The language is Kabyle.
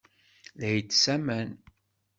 La itess aman.